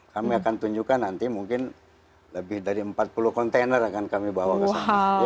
kami akan tunjukkan nanti mungkin lebih dari empat puluh kontainer akan kami bawa ke sana